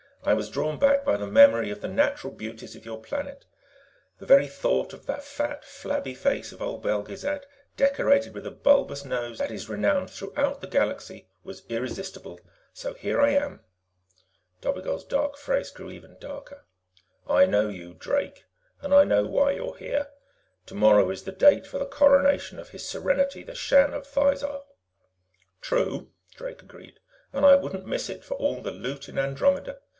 "I was drawn back by the memory of the natural beauties of your planet. The very thought of the fat, flabby face of old Belgezad, decorated with a bulbous nose that is renowned throughout the Galaxy, was irresistible. So here I am." Dobigel's dark face grew even darker. "I know you, Drake. And I know why you're here. Tomorrow is the date for the Coronation of His Serenity, the Shan of Thizar." "True," Drake agreed. "And I wouldn't miss it for all the loot in Andromeda.